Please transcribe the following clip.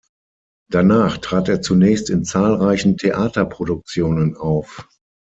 Danach trat er zunächst in zahlreichen Theaterproduktionen auf.